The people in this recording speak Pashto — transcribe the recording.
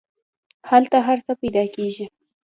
هلته هر څه پیدا کیږي.